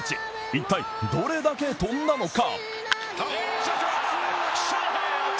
一体どれだけ飛んだのか。